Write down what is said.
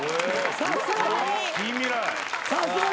さすが。